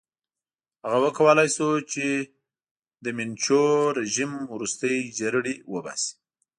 هغه وکولای شو چې د منچو رژیم ورستۍ جرړې وباسي.